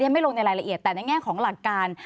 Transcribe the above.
ไม่ลงในรายละเอียดแต่ในแง่ของหลักการ